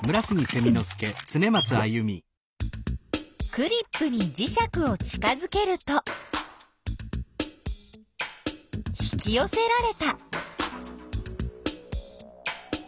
クリップにじしゃくを近づけると引きよせられた。